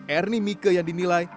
ernie mieke yang dinilai